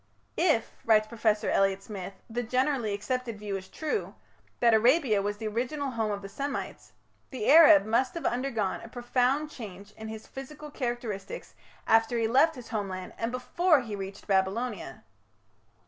"If", writes Professor Elliot Smith, "the generally accepted view is true, that Arabia was the original home of the Semites, the Arab must have undergone a profound change in his physical characters after he left his homeland and before he reached Babylonia."